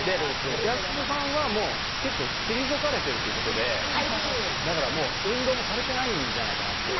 やす子さんは結構、退かれてるということで運動もされてないんじゃないかなと。